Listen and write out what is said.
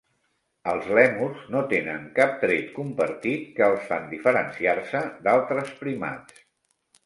Els lèmurs no tenen cap tret compartit que els fan diferenciar-se d'altres primats.